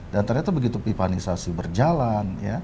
dan ternyata begitu pipanisasi berjalan